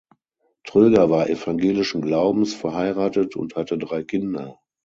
Tröger war evangelischen Glaubens, verheiratet und hatte drei Kinder.